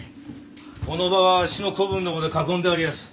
この場はあっしの子分どもで囲んでありやす。